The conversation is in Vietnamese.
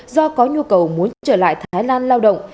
do có nhu cầu muốn trở lại thái lan lao động